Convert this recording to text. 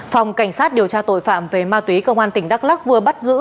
phòng cảnh sát điều tra tội phạm về ma túy công an tỉnh đắk lắc vừa bắt giữ